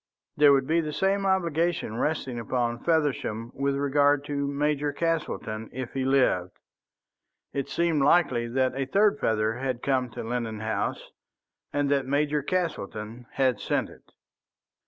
There would be the same obligation resting upon Feversham with regard to Major Castleton if he lived. It seemed likely that a third feather had come to Lennon House, and that Major Castleton had sent it.